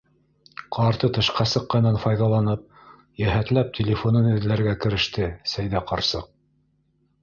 Ҡарты тышҡа сыҡҡандан файҙаланып, йәһәтләп телефонын эҙләргә кереште Сәйҙә ҡарсыҡ.